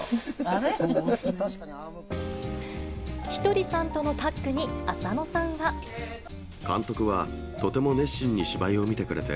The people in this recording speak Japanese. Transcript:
ひとりさんとのタッグに、監督はとても熱心に芝居を見てくれて、